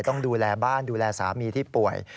ต้องดูแลบ้านดูแลสามีที่ป่วย